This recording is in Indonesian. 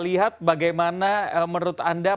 lihat bagaimana menurut anda